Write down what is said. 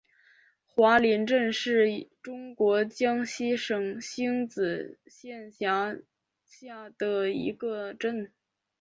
华林镇是中国江西省星子县下辖的一个镇。